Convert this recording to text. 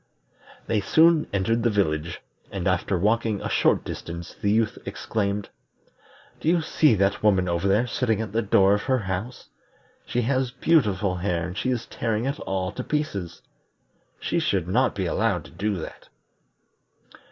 They soon entered the village, and after walking a short distance the youth exclaimed: "Do you see that woman over there sitting at the door of her house? She has beautiful hair and she is tearing it all to pieces. She should not be allowed to do that."